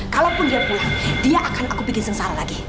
kalaupun dia pulang dia akan aku bikin sengsara lagi